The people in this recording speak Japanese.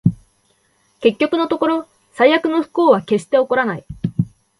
結局のところ、最悪の不幸は決して起こらない